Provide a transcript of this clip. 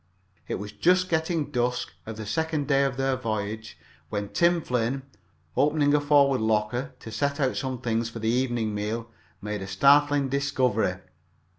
It was just getting dusk of the second day of their voyage, when Tim Flynn, opening a forward locker to set out some things for the evening meal, made a startling discovery.